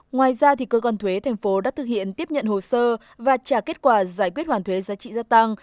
ngoài ra cơ quan thuế thành phố đã thực hiện tiếp nhận hồ sơ và trả kết quả giải quyết hoàn thuế giá trị gia tăng